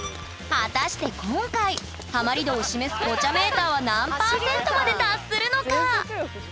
果たして今回ハマり度を示すポチャメーターは何％まで達するのか？